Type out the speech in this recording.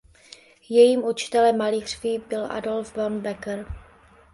Jejím učitelem malířství byl Adolf von Becker.